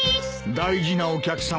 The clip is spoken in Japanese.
大事なお客さまだ。